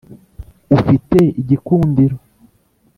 ufite igikundiro.